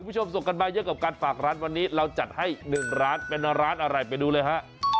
คุณผู้ชมส่งกันมาเยอะกับการฝากร้านวันนี้เราจัดให้๑ร้านเป็นร้านอะไรไปดูเลยฮะ